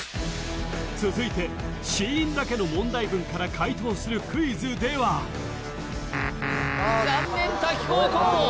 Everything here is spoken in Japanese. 続いて子音だけの問題文から解答するクイズでは残念滝高校！